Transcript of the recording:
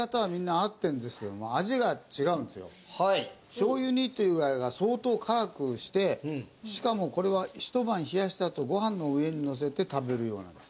醤油煮っていうぐらいだから相当辛くしてしかもこれはひと晩冷やしたあとご飯の上にのせて食べる用なの。